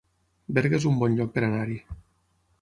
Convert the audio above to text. Berga es un bon lloc per anar-hi